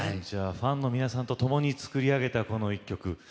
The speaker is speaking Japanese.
ファンの皆さんとともに作り上げたこの一曲。